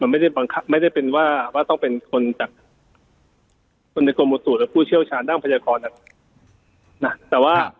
มันไม่ได้เป็นว่าต้องเป็นคนในกรมประตูหรือผู้เชี่ยวชาญด้านพยากรนะครับ